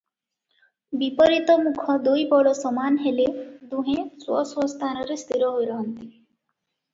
ବିପରୀତମୁଖ ଦୁଇ ବଳ ସମାନ ହେଲେ ଦୁହେଁ ସ୍ୱ ସ୍ୱ ସ୍ଥାନରେ ସ୍ଥିର ହୋଇ ରହନ୍ତି ।